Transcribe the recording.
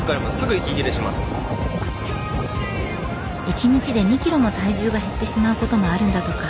一日で２キロも体重が減ってしまうこともあるんだとか。